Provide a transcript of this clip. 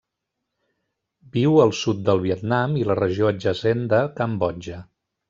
Viu al sud del Vietnam i la regió adjacent de Cambodja.